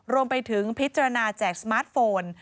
รวมไปถึงพิจารณาแจกสมาร์ทโฟน